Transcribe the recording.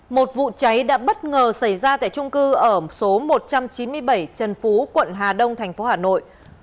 một vụ cháy đã bất ngờ xảy ra tại trung cư ở số một trăm chín mươi bảy trần phú quận hà đông thành phố hà nội